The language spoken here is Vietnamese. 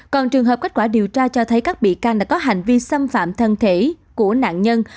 còn trường hợp kết quả điều tra cho thấy các bị can đã có hành vi xâm phạm thân thể của nạn nhân